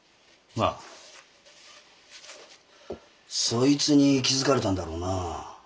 そいつに気付かれたんだろうなあ。